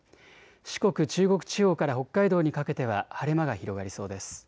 四国、中国地方から北海道にかけては晴れ間が広がりそうです。